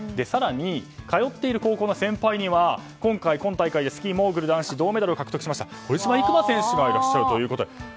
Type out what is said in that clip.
更に通っている高校の先輩には今回、今大会スキー・モーグル男子で銅メダルを獲得した堀島行真選手がいらっしゃるということで。